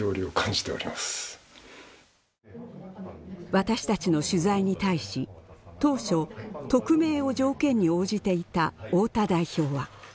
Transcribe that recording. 私たちの取材に対し当初匿名を条件に応じていた太田代表は。